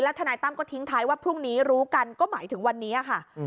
ทนายตั้มก็ทิ้งท้ายว่าพรุ่งนี้รู้กันก็หมายถึงวันนี้ค่ะ